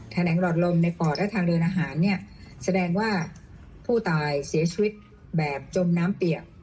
แหนงหลอดลมในปอดและทางเดินอาหารเนี่ยแสดงว่าผู้ตายเสียชีวิตแบบจมน้ำเปียก